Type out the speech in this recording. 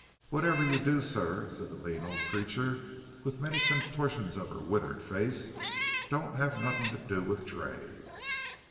"Whatever you do, sir," said the lean old creature, with many contortions of her withered face, "don't have nothin' to do with Tray."